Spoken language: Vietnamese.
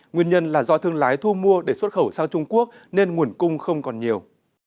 nguyên nhân là do thương lái thu mua để xuất khẩu sang trung quốc nên nguồn cung không còn nhiều